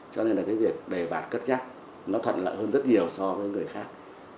cho nên là cái việc đề bạt cất nó thuận lợi hơn rất nhiều so với người khác